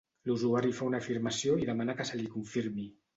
L'usuari fa una afirmació i demana que se li confirmi.